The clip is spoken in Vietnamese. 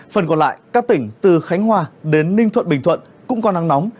phần còn lại các tỉnh từ khánh hòa đến ninh thuận bình thuận cũng có nắng nóng